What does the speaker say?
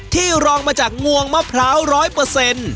รองมาจากงวงมะพร้าวร้อยเปอร์เซ็นต์